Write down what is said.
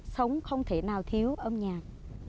sống không thể nào thiếu âm nhạc